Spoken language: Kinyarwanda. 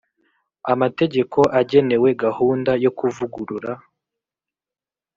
amategeko agenewe gahunda yo kuvugurura